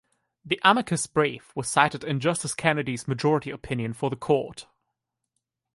The amicus brief was cited in Justice Kennedy's majority opinion for the Court.